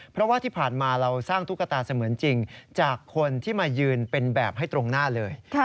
เพราะว่าที่ผ่านมาเราสร้างตุ๊กตาเสมือนจริงจากคนที่มายืนเป็นแบบให้ตรงหน้าเลย